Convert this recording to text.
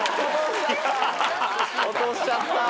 落としちゃった。